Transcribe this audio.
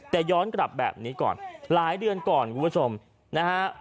แต่ย้อนกลับแบบนี้ก่อนหลายเดือนก่อนคุณผู้ชมนะฮะ